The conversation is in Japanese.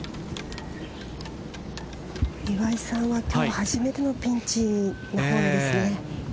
岩井さんは今日初めてのピンチになりそうですね。